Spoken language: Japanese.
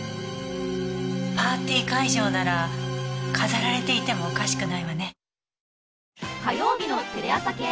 パーティー会場なら飾られていてもおかしくないわね。